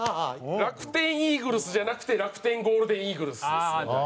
「楽天イーグルス」じゃなくて「楽天ゴールデンイーグルス」ですみたいな。